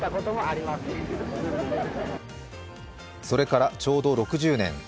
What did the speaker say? それからちょうど６０年。